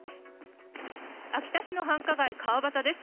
秋田市の繁華街川反です。